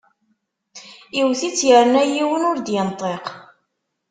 Iwet-itt yerna yiwen ur d-yenṭiq!